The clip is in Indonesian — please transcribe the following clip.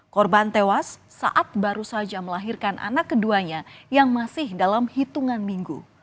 korban tewas saat baru saja melahirkan anak keduanya yang masih dalam hitungan minggu